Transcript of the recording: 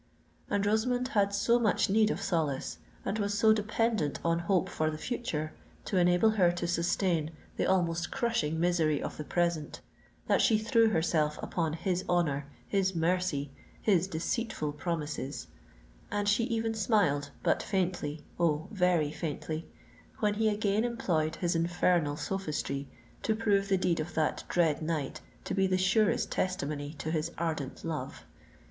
And Rosamond had so much need of solace, and was so dependent on hope for the future to enable her to sustain the almost crushing misery of the present, that she threw herself upon his honour—his mercy—his deceitful promises; and she even smiled—but faintly—oh! very faintly—when he again employed his infernal sophistry to prove the deed of that dread night to be the surest testimony to his ardent love.